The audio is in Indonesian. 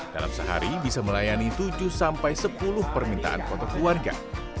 dalam sehari bisa melayani tujuh sampai sepuluh permintaan foto keluarga